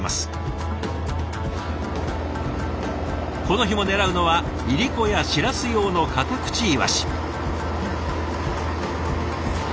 この日も狙うのはいりこやしらす用のカタクチイワシ。